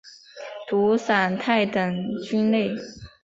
毒伞肽等菌类。